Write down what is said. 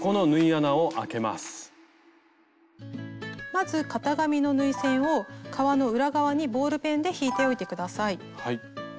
まず型紙の縫い線を革の裏側にボールペンで引いておいて下さい。